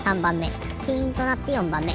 ピンとなって４ばんめ。